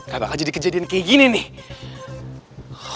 gak bakal jadi kejadian kayak gini nih